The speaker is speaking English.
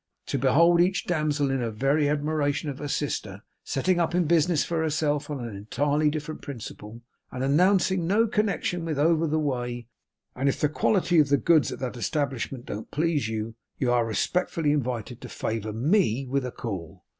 To behold each damsel in her very admiration of her sister, setting up in business for herself on an entirely different principle, and announcing no connection with over the way, and if the quality of goods at that establishment don't please you, you are respectfully invited to favour ME with a call!